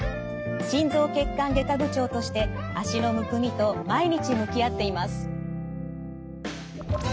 心臓血管外科部長として脚のむくみと毎日向き合っています。